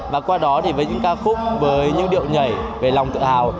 và qua đó thì với những ca khúc với những điệu nhảy về lòng tự hào